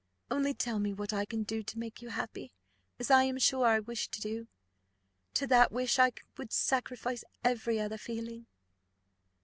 Only tell me what I can do to make you happy, as I am sure I wish to do; to that wish I would sacrifice every other feeling."